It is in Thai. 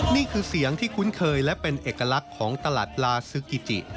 นี่คือเสียงที่คุ้นเคยและเป็นเอกลักษณ์ของตลาดลาซึกิ